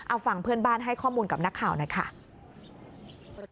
เอาฟังเพื่อนบ้านให้ข้อมูลกับนักข่าวหน่อยค่ะ